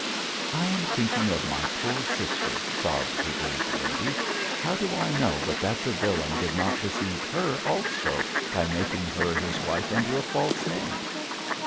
'I am thinking of my poor sister,' sobbed the old lady. 'How do I know but that the villain did not deceive her also by making her his wife under a false name?'